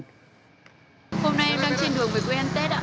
hôm nay đang trên đường về quê ăn tết ạ